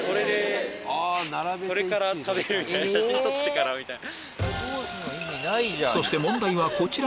それから食べる写真撮ってからみたいな。